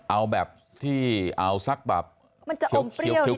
เอาแบบที่เอาสักแบบมันจะอมเปรี้ยวนิดนึงค่ะ